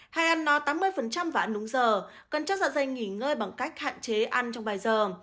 hay ăn no tám mươi và ăn đúng giờ cần chất dạ dày nghỉ ngơi bằng cách hạn chế ăn trong bài giờ